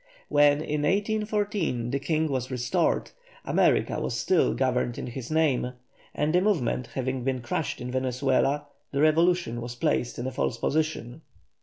When in 1814 the King was restored, America was still governed in his name, and the movement having been crushed in Venezuela the revolution was placed in a false position.